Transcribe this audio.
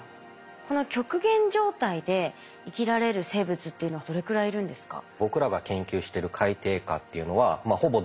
この極限状態で生きられる生物っていうのはどれくらいいるんですか？